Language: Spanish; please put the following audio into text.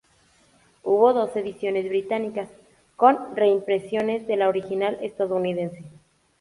Hubo dos ediciones británicas con reimpresiones de la original estadounidense.